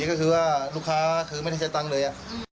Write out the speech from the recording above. ก็คือว่าลูกค้าคือไม่ได้ใช้ตังค์เลย